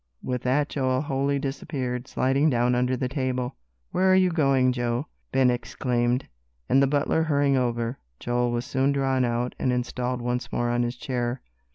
with that Joel wholly disappeared, sliding down under the table. "Where are you going, Joe?" Ben exclaimed, and the butler hurrying over, Joel was soon drawn out and installed once more on his chair.